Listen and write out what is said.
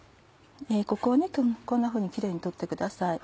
ここをこんなふうにきれいに取ってください。